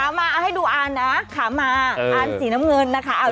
มาเอาให้ดูอ่านนะขามาอ่านสีน้ำเงินนะคะ